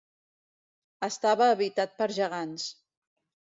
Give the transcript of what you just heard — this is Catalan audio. Estava habitat per gegants.